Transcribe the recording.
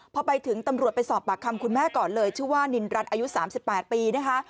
พอไปถึงตำรวจไปสอบปากคำคุณแม่ก่อนเลยชื่อว่านินรัฐอายุ๓๘ปีนะคะ